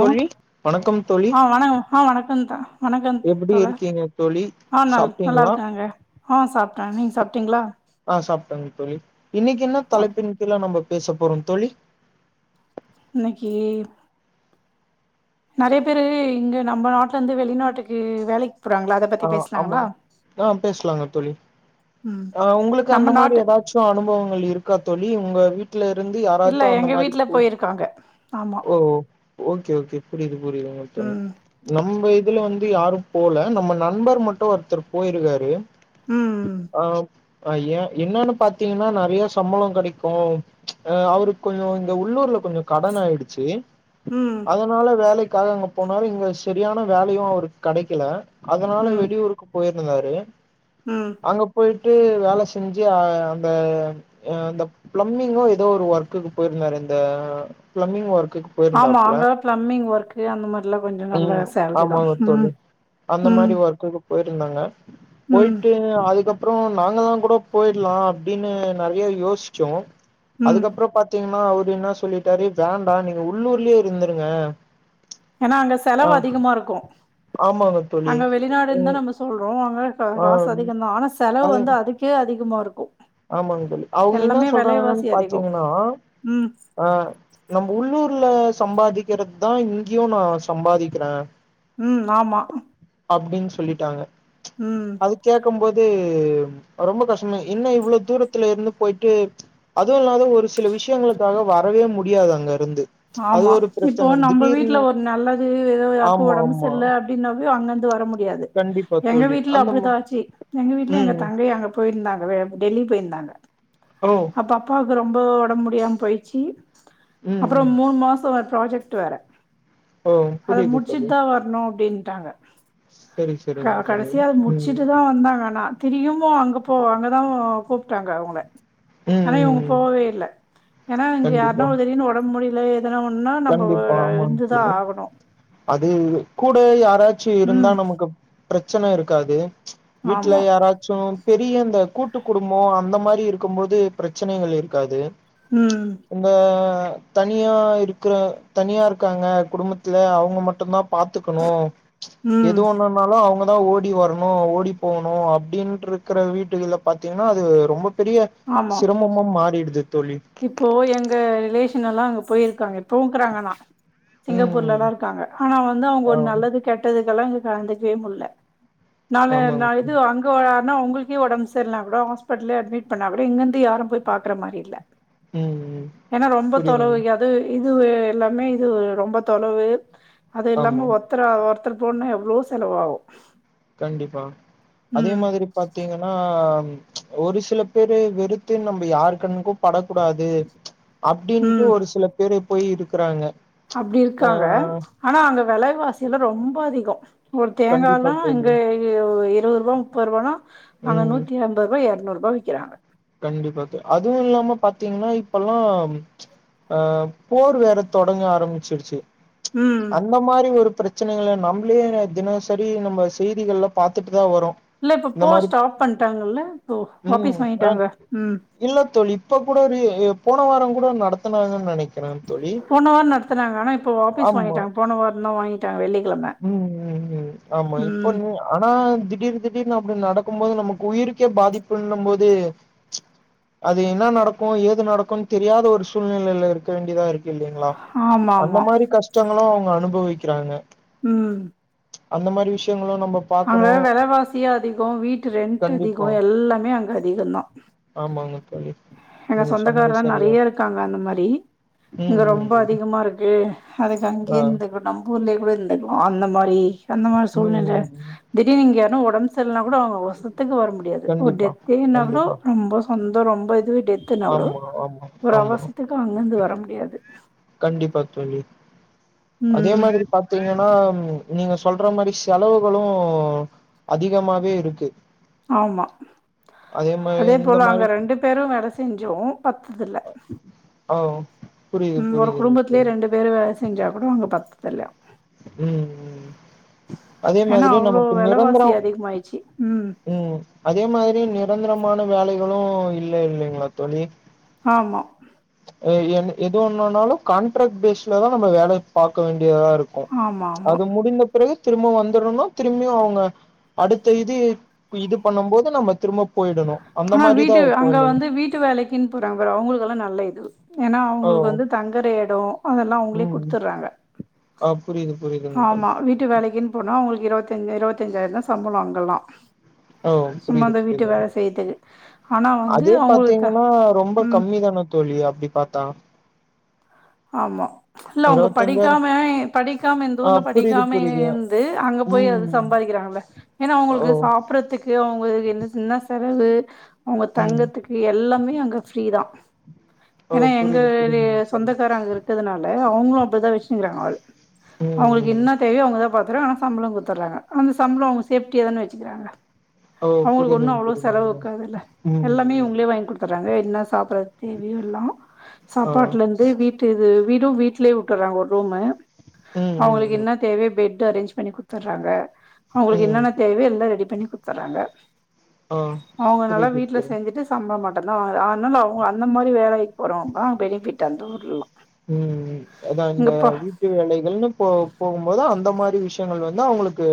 அ வணக்கம் தோழி ஆ வணக்கம் ஆ வணக்கம் தா வணக்கம் எப்டி தோழர் இருக்கீங்க தோழி ஆ நல் நல்லா சாப்ட்டீங்களா இருக்கேங்க ஆ சாப்ட்ட நீங்க சாப்ட்டீங்களா ஆ சாப்ட்டேங்க தோழி இன்னிக்கு என்ன ஓகே தலைப்பின்‌ கீல நம்ம பேச போறோ தோழி இன்னக்கி நறைய பேரு இங்க நம்ம நாட்டுல இருந்து வெளிநாட்டுக்கு வேலைக்கு போறாங்ளா அத ஆ பத்தி ஆமா பேசலாங்களா ஆ பேசலாங்க தோழி ம் ஆ உங்களுக்கு அந்த நம்ம மாரி நாட்டு ஏதாச் சு அனுபவங்கள் இருக்கா தோழி உங்க வீட்ல இருந்து யாரத்து அந்த மாதிரி போ இருக்காங்க ஆமா ஓ ஓகே ஓகே புரியுது புரியுது மத்தங்க ம் நம்ப இதுல வந்து யாரும் போல நம்ப நண்பர் மட்டு ஒருத்தர் போயிருக்காரு ம் ஆ நா ஏ என்னன்னு பாத்தீங்கன்னா நறைய சம்பளோ கடைக்கு அ அவருக்கு கொஞ்சோ இந்த உள்ளூர்ல கொஞ்சோ கடன் ஆயிடுச் சி ம் அதனால வேலைக்காக அங்க போனாரு இங்க சரியான வேலையு அவருக்கு கடைக்கல அதனால ம் வெளியூருக்கு போயிருந்தாரு ம் அங்க போயிட்டு வேல செஞ்சி அ அந்த இந்த பிளம்பிங்கோ ஏதோ ஒரு ஒர்க்குக்கு போயிருந்தாரு இந்த பிளம்பிங் ஒர்க்கு ஆமா அங்க பிளம்பிங் ஒர்க்கு அந்த மாரில்லா கொஞ்சோ நல்ல ம் சேலரி தா ஆமாங்க தோழி ம் அந்த ம் மாரி ஒர்க்குக்கு போயிட்ருந்தாங்க போய்ட்டு ம் அதுக்கப்புறோ நாங்களா கூட போயிட்லா அப்டின்னு நறைய யோஸ்ச்சோ ம் அதுக்கப்புறொ பாத்தீங்கன்னா அவரு ன்னா சொல்லிட்டாரு வேண்டா நீங்க உள்ளூர்லயே இருந்துருங்க ஏன்னா அங்க ஆ செலவு அதிகமாருக்கூ ஆமாங்க தோழி அங்க வெளிநாடுந்தா ம் நம்ம சொல்றோ அங்க கா ஆ காசு அதிகந்தா ஆனா செலவு அது வந்து அதுக்கே அதிகமாருக்கூ ஆமாங்க தோழி அவுங்க என்னா சொல்றாங்கன்னு அதிகம் பாத்தீங்கன்னா ம் ஆ நம்ம உள்ளூர்ல சம்பாதிக்கிறது தா இங்கயு நா சம்பாதிக்கிற ம் ஆமா அப்டின் சொல்லிட்டாங்க ம் அதுக் கேக்கம் போது ரொம்ப கஷ்டமா என்ன இவ்ளோ தூரத்துல இருந்து போயிட்டு அதுவு இல்லாத ஒரு சில விஷயங்களுக்காக வரவே முடியாது அங்க இருந்து அது ஆமா ஒரு இப்போ பிரச்சன நம்ப வீட்ல திடீர்னு ஒரு நல்லது ஏதோ யாருக்கோ ஆமா ஒடம்பு ஆமா செர்ல அப்டின்னாவே அங்கர்ந்து வர முடியாது கண்டிப்பா எங்க தோழி வீட்ல அந்த மா அப்டிதா ஆச்சு எங்க வீட்ல எங்க ம் தங்கைய அங்க போய்ர்ந்தாங்கவே டெல்லி போய்ர்ந்தாங்க ஓ அப்போ அப்பாவுக்கு ரொம்ப ஒடம்முடியாம போயிச்சி ம் அப்புறொ ம் மூணு மாசொ ஒரு ப்ராஜெக்டு வேர ஓ அத புரியுது தோழி முட்ச்சுட்டு தா வர்ணு அப்டின்ட்டாங்க சரி க சரிங்க தோழி கடசியா அத ம் முட்ச்சுட்டுதா வந்தாங்க அணா திரியுமோ அங்க போவ அங்கதா கூப்டாங்க அவுங்கள ம் ஆனா இவுங்க ம் போவேல்ல ஏன்னா இங்க கண்டிப்பா யார்னா ஒரு திடிர்னு ஒடம்முடியில எதனா ஒன்னா நம்ப கண்டிப்பா ஆமாங்க இருந்துதா தோழி. ஆகணு அது கூட யாராச்சு இருந்தா ம் நமக்கு பிரச்சன இருக்காது வீட்ல ஆமா யாராச் சு பெரிய இந்த கூட்டு குடும்போ அந்த மாரி இருக்கும் போது பிரச்சனைகள் இருக்காது ம் இந்த தனியா இருக் க்ற தனியா இருக்காங்க குடும்பத்துல அவுங்க மட்டுந்தா பாத்துக்கணு ம் எது ஒண்ணா துநாலு அவுங்க தா ஓடி வரணு ஓடி போகணு அப்டின்ருக்கற வீட்டுகள பார்த்தீங்கன்னா அது ரொம்ப பெரிய ஆமா சிரமமா மாறிடுது தோழி இப்போ எங்க ரிலேஷன் எல்லா அங்க போயிருக்காங்க இப்போவுக்குறாங்கதா சிங்கப்பூர்ல ம் தா இருக்காங்க ஆனா வந்து அவுங்க ஆ ஒரு நல்லது கெட்டதுக்கெல்லா இங்க கலந்துக்கவே முட்ல நானு நா ஆமாங்க இது அங் க்கு யார்ன்னா உங்களுக்கே ஒடம் செர்ல்லனா கூட ஹாஸ்பிட்டல்யே அட்மிட் பண்ணா கூட இங்கந்து யாரும் பாக்குற மாறி இல்ல ம் ம் ஏன்னா ரொம்ப புரியுதுங்க. தொலவு அது இது எல்லாமே இது ரொம்ப தொலவு அது ஆமா இல்லாம ஒருத்தர ஒருத்தர் போணுன்னா எவ்ளோ செலவாவு கண்டிப்பா அதே மாதிரி பாத்தீங்கன்னா ஒரு சில பேரு வெறுத்து நம்ம யாரு கண்ணுக்கும் படக்கூடாது அப்டின்ட்டு ம் ஒரு சில பேரு போயி இருக்குறாங்க அப்டி ஆ இருக்காங்க ஆனா அங்க வெலைவாசியல்லா ரொம்ப அதிகொ ஒரு கண்டிப்பா தேங்கால்லா இங்க தோழி. இருவது ரூபா முப்பது ரூபான்னா அங்க ம். நூத்திஅம் பது ரூபா எரநூறு ரூபா விக்கிறாங்க கண்டிப்பா தோ அதுவு இல்லாம பாத்தீங்கன்னா இப்பல்லாம் அ போர் வேற தொடங்க ஆரம்பிச்சிருச்சு ம் அந்த மாறி ஒரு பிரச் பிரச்சனைகள நம்ப்ளே தினசரி நம்ம செய்திகள்ல பாத்துட்டு தா வரோ இல்ல இப்ப போர் ஸ்டாப் பண்ணிட்டாங்கல்ல இப்போ ம். வாபீஸ் அ வாங்கிட்டாங்க ம் இல்ல தோழி இப்ப கூட போன ரீ போன வாரங் கூட நடத்தனாங்கன்னு நெனக் [unintelligible] தோழி போன வார நடத்துனாங்க ஆனா இப்போ வாபீஸ் ஆமா. வாங்கிட்டாங்க போன வார தா வாங்கிட்டாங்க வெள்ளிக்கிழம ம் ம் ம் ஆமா இப்போ ம் நீ ஆனா திடீர் திடீர்னு அப்டி நடக்கு போது நமக்கு உயிருக்கே பாதிப்புன்னு போது அது என்ன நடக்கு ஏது நடக்கும்னு தெரியாத ஒரு சூழ்நிலையில இருக்க வேண்டியதா இருக்கு இல்லைங்ளா ஆமா அந்த ஆமா மாறி கஷ்டங்களு அவுங்க அனுபவிக்கிறாங்க ம் அந்த மாரி விஷ்யங்களு நம்ப அங்க வெலவாசி அதிக வீட்டு ரெண்ட் கண்டிப்பா அதிக எல்லாமே அங்க அதிகந்தா ஆமாங்க தோழி எங்க நீங்க சொன்னது சொந்தக்கார சரியா நெறைய இருக்காங்க அந்த மாறி இங்க ம் ம் ரொம்ப ம் அதிகமா இருக்கு அதுக்கு ஆ அங்கேயே இருந்துக்கணு நம்ம ஊர்லயே கூட இருந்துக்கலா அந்த மாரி அந்த மாரி ம் சூழ்நெல ம் ம் திடீர்ன்னு இங்க யார்ன்னா ஒடம்பு சரியில்லன்னா கூட அவுங்க வருசத்துக்கு வர முடியாது ஒரு கண்டிப்பா டெத்தே ஆனா கூட கண்டிப்பா ரொம்ப சொந்தோ ரொம்ப இதுவே டெத்துன்னாக்கூட ஆமா ஆமா ஒரு ஆமா அவசரத்துக்கு அங்க இருந்து வர முடியாது கண்டிப்பா தோழி அதே ம் மாதிரி பாத் திங்கன்னா நீங்க சொல்ற மாறி செலவுகளு அதிகமாவே இருக்கு ஆமா மாரி அதே இந்த போல அங்க மாரி ரெண்டு பேரு வேல செஞ்சு பத்துதுல்ல அ ஓ புரியிது புரியிதுங் தோழி வேற வேல செஞ்சா கூட அங்க பத்துத்தில்லா ம் ம் அதே ஏன்னா மாதிரி அவ்ளோ நமக்கு வெலைவாசி நிரந்தரோ அதிகமாய்டுச்சு ம் ம் அதே மாதிரி நிரந்தரமான வேலைகளு இல்ல இல்லைங்களா தோழி ஆமா எ என்னு எதோ ஒண்ணுன்னாலு கான்ட்ராக்ட் பேஸ்லதா நம்ம வேலைய பாக்க வேண்டியதா இருக் கு ம் ஆமா ஆமா அது முடிந்த பிறகு திரும்ப வந்துறனு திரும்பியு அவுங்க அடுத்த இது இது பண்ணுபோது நம்ம திரும்ப போயிடணு அந்த ஆனா மாரிதா வீட்டு இருக்கு அங்க இல்லைங் வந்து வீட்டு வேலைக் [unintelligible] அவங்களுக்கெல்லா நல்ல இது ஏன்னா ஓ அவுங்களுக்கு வந்து தங்கர எடோ அதெல்லா அவுங்களே குடுத்தர்றாங்க அ புரியது புரியதுங்க தோழி வீட்டு வேலைக்குன்னு போனா அவுங்களுக்கு இருத்தஞ்ச இருபத்தஞ்சாயிர தா சம்பள அங்கெல்லா ஓ சும்மா புரியுது அந்த வீட்டு புரியுது வேல செய்யறதுக்கு ஆனா வந்து அதே அவங்களுக்கு த பாத்தீங்கன்னா ரொம்ப ம் கம்மி தான தோழி அப்டி பாத்தா ஆமா இல்ல அவ்ங்க இருவத்தஞ்சாயிரோ படிக்காம படிக்காம இந்த ஆ ஊர்ல புரியுது படிக்காமேயே புரியுது இருந்து அங்க போய் அது ம் சம்பாதிக்கிறாங்கள்ல ஏன்னா ஓ அவுங்களுக்கு சாப்டறதுக்கு அவ்ங்களுக்கு என்ன என்னா செலவு அவ்ங்க ம் தங்கர்த்துக்கு எல்லாமே அங்க ஃப்ரீதா ஓ ஏன்னா எங்க புரியுது புரியுதுங்க [inaudible] தோழி சொந்தக் [unintelligible] அங்க இருக்கிறதுனால அவ்ங்களு அப்டிதா வச்சிருங்கிறாங்க ஆளு ம் அவ்ங்களுக்கு ம் என்னா தேவையோ அவ்ங்கதா பாத்துறோ ஆனா சம்பள குத்துர்றாங்க அந்த சம்பள அவ்ங்க சேப்டியா தான வச்சிகுறாங்க ஓ அவ்ங்களுக்கு ஒன்னு புரியுதுங்க அவ்ளோ செலவு புரியுதுங்க இருக்காது இல்ல ம் எல்லாமே ம் இவ்ங்களே வாங்கி குடுத்துறாங்க என்ன சாப்டறது தேவையோ எல்லா ஓ சாப்பாட்டுல இருந் து வீட்டு இது வீடு வீட்டுலயே விட்டுறாங்க ஒரு ரூமு ம் ம் அவ்ங்களுக்கு ம் என்னத் தேவயோ பெட்டு அரேஞ்ச் பண்ணி குத்துர்றாங்க அவ்ங்களுக்கு ம் என்னென்ன தேவயோ எல்லா ரெடி பண்ணி குத்துர்றாங்க ஆ அவ்ங்க நல்லா புரியுது வீட்டுல தோழி செஞ்சிட்டு சம்பளம் மட்டுந்தா வாங்குற அதனால அவங் அந்த மாரி வேலைக்கு போறவங்களா பெனிஃபிட் அந்த ஊர்லலா ம் ம் அதா இந்த இங்கப்பா வீட் வேலைகள்னு போ போகும்போது அந்த மாரி விஷயங்கள் வந்து அவங்களுக்கு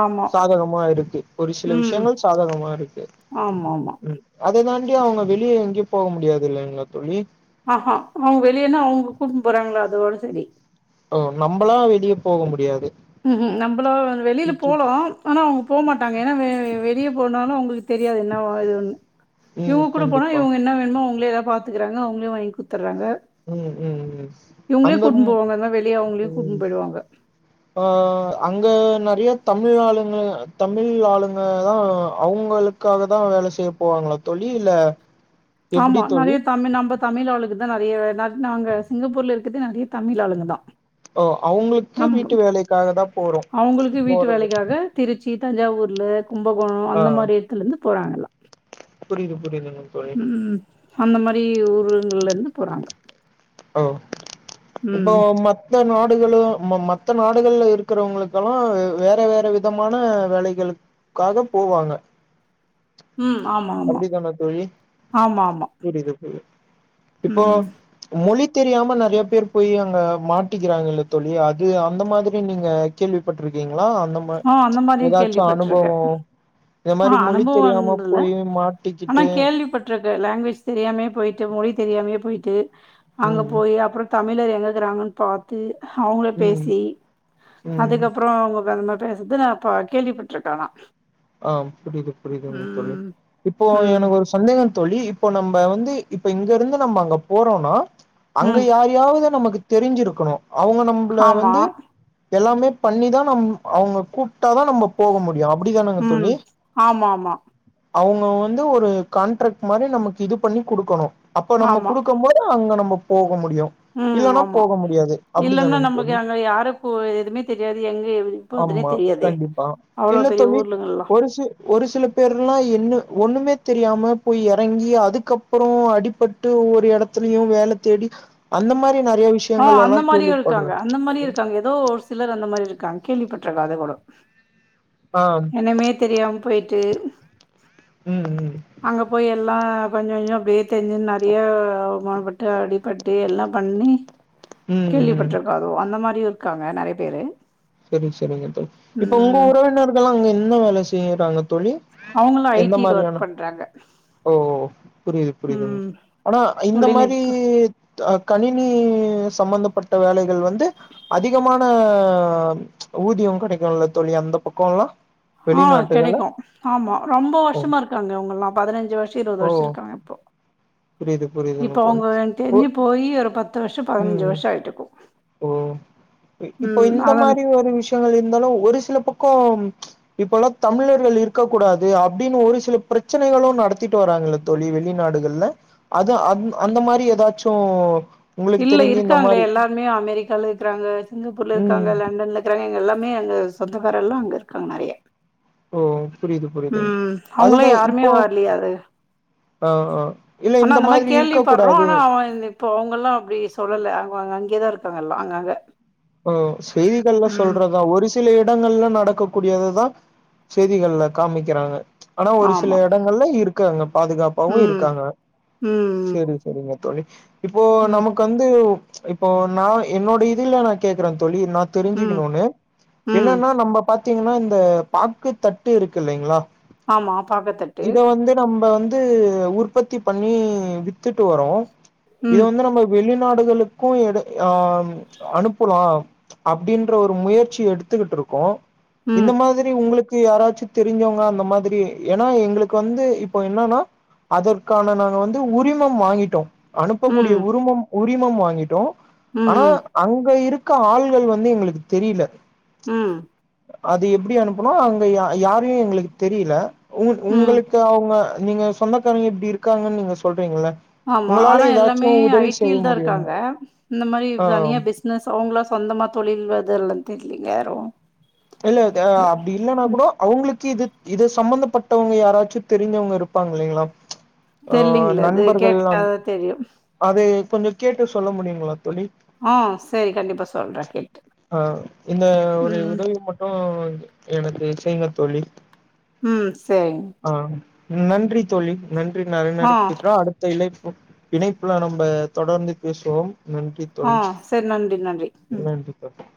ஆமா சாதகமா இருக்கு ஒரு சில ம் விஷ்யங்கள் சாதகமா இருக்கு ஆமா ஆமா ம் அத தாண்டி அவங்க வெளிய எங்கயு போக முடியாது இல்லைங்களா தோழி அ ஆ அவங்க வெளியன்னா அவங்க கூப்டுன்னு போறாங்கள அதோட சரி ஓ நம்பளா வெளிய போக முடியாது ம் ம் நம்பலும் வெளில சுற்றி போலோ ஆனா அவங்க போமாட்டாங்க ஏன்னா வெ வெளியே போனாலு அவங்களுக்கு தெரியாது என்ன வேணு ஏது வேணும்ன்னு ம் இவங்க கூட போனா கண்டிப்பா இவங்க என்ன வேணுமோ அவங்களே ஏதாவது பாத்துக்கறாங்க அவங்களே வாங்கி குட்த்தட்றாங்க ம் ம் ம் இவ்ங்களே அந்த கூட்டுனு ம் போவாங்க எதா வெளிய அவ்ங்களையும் ம் கூட்டுனு போயிடுவாங்க ஆ அங்க நெறையா தமிழ் ஆளுங்க தமிழ் ஆளுங்க தான் அவ்ங்களுக்கு க்காக தான் வேலை செய்ய போவாங்களா தோழி இல்ல எப்டி ஆமா தோழி நெறையா தமிழ் நம்பத் தமிழ் ஆளுங்க தான் நெறையா பேரு நானு நாங்க சிங்கப்பூர்ல இருக்கதே நெறைய தமிழ் ஆளுங்க தான் ஓ அவ்ங்களுக்கு நம் வீட்டு வேலைக்காக தான் போறோம் அவங்களுக்கு வீட்டு போறது வேலைக்காக திருச்சி தஞ்சாவூர்ல கும்பகோணம் ஆ அந்த மாரி இடத்துல இருந்து போறாங்க எல்லா புரியுது புரியுதுங்க தோழி ம் ம் அந்த மாரி ஊருங்கள்ல இருந்து போறாங்க ஓ இப்போ ம். மத் மத்த நாடுகளும் ம மத்த நாடுகள்ல இருக்கிறவங்களுக்கெல்லா வே வேற வேற விதமான வேலைகளுக் க்காக போவாங்க ம் ஆமா ஆமா. அப்டிதானா தோழி ஆமா, ஆமா. புரியுது போ இப்போ ம். மொழி தெரியாம நெறையா பேரு போயி அங்க மாட்டிக்கிறாங்கல்ல தோழி அது அந்த மாதிரி நீங்க கேள்விப்பட்ருக்கீங்களா அந்த ம ஆ அந்த மாரியும் எதாச்சூ கேள்விப்பட்டுருக்கேன். அனுபவோ இந்த ஆ மாரி மொழி அனுபவம் தெரியாம போயி மாட்டிக்கிட்டு ட்றக்க லாங்குவேஜ் தெரியாமையே போயிட்டு மொழி தெரியாமையே போயிட்டு அங்க ம் போயி அப்புறோ தமிழர் எங்கக்கிறாங்கன்னு பார்த்து அவ்ங்கள ம் பேசி ம் அதுக்கப்புறோ அவ்ங்க வந்தப் பேசத்தா நான் இப்போ கேள்விப்பட்டிருக்கே ஆனா ஆ புரியுது புரியுதுங்க தோழி ம். இப்போ ம். எனக்கு ஒரு சந்தேகம் தோழி இப்ப நம்ம வந்து இப்ப இங்க இருந்து நம்ம அங்க போறோன்னா அங்க ம். யாரு யாரையாவது நமக்கு தெரிஞ்சிருக்கணு அவ்ங்க நம்மள ஆமா. வந்து எல்லாமே பண்ணிதா நம் அவ்ங்க கூப்ட்டாதா நம்ம போக முடியு அப்பிடித்தானே ம் ஆமா ஆமா அவ்ங்க வந்து ஒரு கான்ட்ராக்ட் மாரி நமக்கு இது பண்ணி குடுக்கணு அப்போ நம்ம குடுக்கும் போது அங்க நம்ம போக முடியு அ இல்லன்னா ஆமா போக முடியாது இல்லன்னா அப்டிதானங்க தோழி நமக்கு அங்க யாருக்கூ எதுவுமே தெரியாது எங்க ஏதுன்னு ஆமா கண்டிப்பா இல்ல தோழி ஊர்லங்கள்லாம். ஒ ஒரு சி ஒரு சில பேருல்லாம் என்ன ஒன்னுமே தெரியாம போய் இறங்கி அதுக்கப் அப்புறம் அடிபட்டு ஒவ்வொரு இடத்துலயு வேலை தேடி அந்த மாதிரி நெறைய விஷ்ய ஆ அந்த மாதிரியும் இருக்காங்க அந்த மாதிரி இருக்காங்க ஏதோ ஒரு சிலர் அந்த மாதிரி இருக்காங்க கேள்விப்பட்றிக்கே அதை கூட ஆ என்னமே தெரியாம போயிட்டு ம் ம் அங்க போய் எல்லாம் கொஞ்சஞ்சோ அப்டியே தெரிஞ்சின்னு நெறைய டிராடி பண்டி எல்லா பண்ணி ம் ம் கேள்விப்பட்டிருக்கோ அதுவும்அந்த மாரியும் இருக்காங்க நறைய பேரு செரிங் செரிங்க தோழி இப்போ உங்க ம். உறவினர்களா அங்க என்ன வேல செய்றாங்க தோழி அவுங்களா எந்த ஐடில மாரியான ஒர்க் பண்றாங்க ஓ புரியுது புரியுது ம் ஆனா இந்த மாரி தொழில்நுட்ப கணினி சம்பந்தப்பட்ட வேலைகள் வந்து அதிகமான ஊதியம் கடைக்குல்ல தோழி அந்த பக்கோல்லா ஆ வெளிநாட்டுகள்ல கடைக்கு ஆமா ரொம்ப ஓ வர்ஷமா இருக்காங்க அவங்ககல்லா பதினஞ்சு வர்ஷம் இருவது ஓ வர்ஷம் இருக்காங்க இப்போ புரியுது இப்ப புரியுதுங்க தோழி அவுங்க எனக் ஓ தெரிஞ்சி போயி ஒரு பத்து வருஷம் பதினஞ்சி வர்ஷம் ஆயிட்ருக்கு இப்போ இப்போ இந்த மாரி ஒரு விஷ்யங்கள் இருந்தாலு ஒரு சில பக்கோ இப்பல்லா தமிழர்கள் இருக்க கூடாது அப்டின் ஒரு சில பிரச்சனைகளும் நடத்திட் வராங்களத் தோழி வெளிநாடுகள்ல அது அந் அந்த மாரி எதாச்சூ இல்ல இருக்காங்களே எல்லாருமே அமெரிக்கால இருக்குறாங்க சிங்கப்பூர்ல ம் இருக்காங்க லண்டன்ல கிறாங்க எல்லாமே அங்க சொந்தக்கார்லா அங்க இருக்காங்க நறைய ஓ புரியுது புரியுதுங் ம் அவுகளா யாருமே வர்லையா அது அ அ ஆனா அந்த மரி கேள்விபற்றோ ஆனா அவ இப்போ அவங்கலா அப்டி சொல்லல அவக அங்கேதா இருக்காங்க எல்லா அங்கங்க ஒ செய்திகள்லா ம் சொல்றதா ஒரு சில இடங்கள்ல நடக்கக் கூடியததா செய்திகள்ல காமிக்றாங்க ஆனா ஒரு சில ஆமா எடங்கள்ல இருக்காங்க பாதுகாபாவும் ம் இருக்காங்க ம் ம் செரி செரிங்க தோழி இப்போ ம். நமக் வந்து இப்போ நா என்னோட இதுல ந கேக்குற தோழி நா ம் தெரிஞ்சிகணுன்னு ம் என்னன்னா நம்ம பாத்தீங்கனா இந்த பாக்கு தட்டு இருக்கு இல்லிங்களா ஆமா பாக்கத்தட்டு இத வந்து நம்ம வந் து உற்பத்தி பண்ணி வித்துட்டு வர்ரோ இது ம் வந்து நம்ம து வெளிநாடுகளுக்கு எட அ அனுப் போலா அப்டின்ற ஒரு முயற்சி எடுத்துக்கிட்ருக்கோ ம் இந்த மாதிரி திஉங்களுக்கு யாராச்சி தெரிஞ்சவங்க அந்த மாதிரி ஏனா எங்களுக்கு வந்து இப்ப என்னானா அதற்கான நாங்க வந்து உரிமம் வாங்கிடோ அனுப்பக்கூடிய ம் உருமம் உரிமம் வாங்கிடோ ம் ஆனா அங்க இர் இருக்க ஆள்கள் வந்து எங்ளுக்கு தெரியில ம் அது எப்டி அனுப்பனு அங்க யா யாரையும் எங்களுக்கு தெரியல உங் ம் உங்களுக் த்துஅவுங்க நீங்க சொந்தக்காரங்க இப்டி இருக்காங்கன் நீங்க சொல்றீங் இல்ல ஆமா ஆனா எல்லாமே ஐடில தா முடியுமா இருக்காங்க இந்த மாரி ஆ தனியா பிஸ் னஸ அவுங்களா சொந்தமா தொழில் வதுல்லா தெர்லீங்க யாரும் [unintelligible] அப்டி இல்லன்னா கூட அவுங்ளுக்கு இது இத சம்பந்தப்பட்டவங்க யாராச்சும் தெரிஞ்சவங்க இருப்பாங்க இல்லைங்ளா அ தெரியலீங்களே அது நண்பர்கள்லாம் கேட்டாதா தெரியு அதை கொஞ்சம் கேட்டு சொல்ல முடிங்களா தோழி ஆ சரி கண்டிப்பா சொல்றே கேட்டு ஆ இந்த ஒரு ம் உதவி மட்டு எனக்கு செய்ங்க தோழி ம் செரிங்க ஆ நன்றி தோழி நன்றி நறைய ஆ நேரோ பேஸ்லா அடுத் [unintelligible] இணைப்புல நம்ப தொடர்ந்து பேசுவோம் நன்றி ஆ செர் நன்றி நன்றி ம் போ